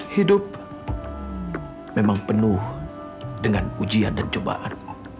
hidup memang penuh dengan ujian dan cobaan